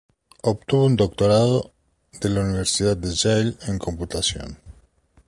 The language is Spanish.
Obtuvo un doctorado de la Universidad de Yale en computación.